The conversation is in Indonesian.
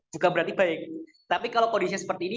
bukan berarti baik tapi kalau kondisinya seperti ini